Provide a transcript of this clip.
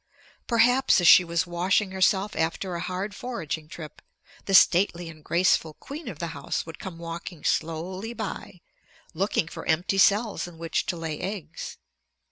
Perhaps as she was washing herself after a hard foraging trip, the stately and graceful queen of the house would come walking slowly by, looking for empty cells in which to lay eggs.